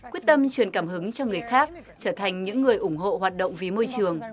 quyết tâm truyền cảm hứng cho người khác trở thành những người ủng hộ hoạt động vì môi trường